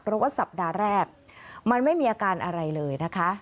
เพราะว่าสัปดาห์แรกมันไม่มีอาการอะไรเลยนะคะ